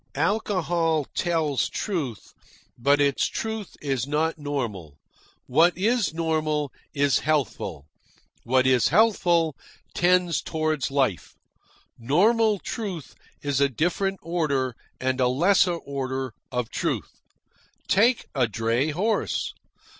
Alcohol tells truth, but its truth is not normal. What is normal is healthful. What is healthful tends toward life. Normal truth is a different order, and a lesser order, of truth. Take a dray horse.